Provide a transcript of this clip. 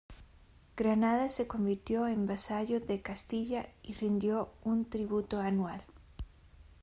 Granada se convirtió en vasallo de Castilla y rindió un tributo anual.